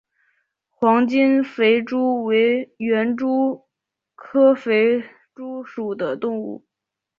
黄金肥蛛为园蛛科肥蛛属的动物。